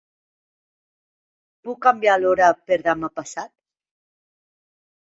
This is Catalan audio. Puc canviar l'hora per demà passat?